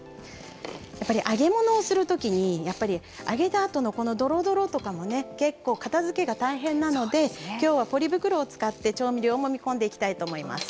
やっぱり揚げ物をする時に揚げたあとのこのどろどろとかもね結構片づけが大変なので今日はポリ袋を使って調味料もみ込んでいきたいと思います。